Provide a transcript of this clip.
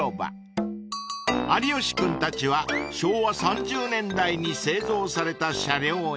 ［有吉君たちは昭和３０年代に製造された車両へ］